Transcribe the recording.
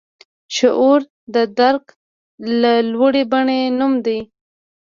شعور د درک د لوړې بڼې نوم دی.